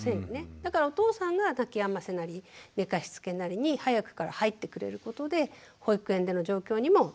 だからお父さんが泣きやませなり寝かしつけなりに早くから入ってくれることで保育園での状況にも対応しやすくなるってことが考えられます。